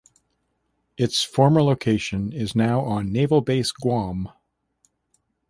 Its former location is now on Naval Base Guam.